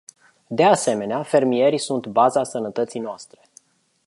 De asemenea, fermierii sunt baza sănătății noastre.